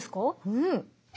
うん。